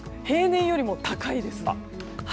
平年よりも高いです。